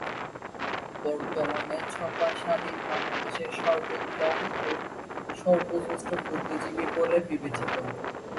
বর্তমানে ছফা স্বাধীন বাংলাদেশের সর্বোত্তম ও সর্বশ্রেষ্ঠ বুদ্ধিজীবী বলে বিবেচিত।